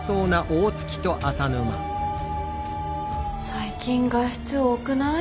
最近外出多くない？